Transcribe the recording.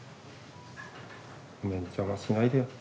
ごめん邪魔しないでよ。ね？